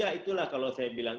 ya itulah kalau saya bilang